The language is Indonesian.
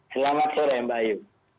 selamat sore mbak ayu